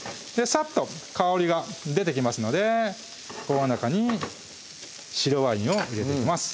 サッと香りが出てきますのでこの中に白ワインを入れていきます